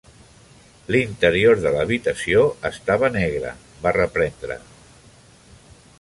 "L'interior de l'habitació estava negre", va reprendre.